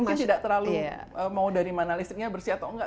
mungkin tidak terlalu mau dari mana listriknya bersih atau enggak